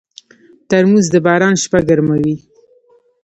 ترموز د باران شپه ګرموي.